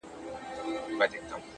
ته ټيک هغه یې خو اروا دي آتشي چیري ده’